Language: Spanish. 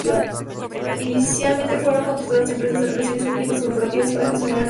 Inicialmente fueron contratadas empresas de relaciones públicas corporativas para gestionar campañas.